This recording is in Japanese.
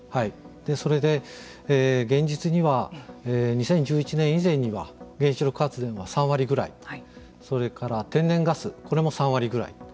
それで、現実には２０１１年以前には原子力発電は３割ぐらいそれから天然ガスこれも３割ぐらい。